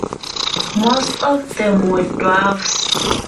Most of them were dwarfs.